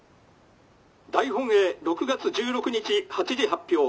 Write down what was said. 大本営６月１６日８時発表。